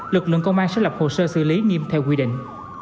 lực lượng công an sẽ lập hồ sơ xử lý nghiêm theo quy định